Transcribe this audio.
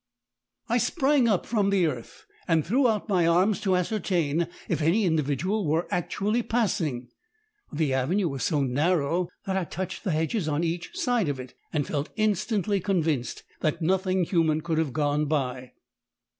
I sprang up from the earth and threw out my arms to ascertain if any individual were actually passing; but the avenue was so narrow that I touched the hedges on each side of it, and felt instantly convinced that nothing human could have gone by.